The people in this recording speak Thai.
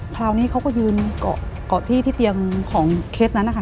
คราวนี้เขาก็ยืนเกาะเกาะที่ที่เตียงของเคสนั้นนะคะ